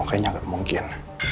kayaknya gak mungkin